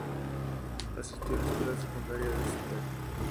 Asistió a la Escuela Secundaria de St.